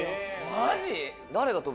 マジ？